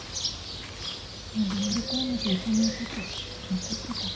まだ乗り越えなきゃいけないこと残ってたか。